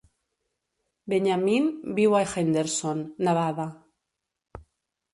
Benyamine viu a Henderson, Nevada.